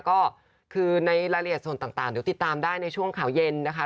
ก็คือในรายละเอียดส่วนต่างเดี๋ยวติดตามได้ในช่วงข่าวเย็นนะคะ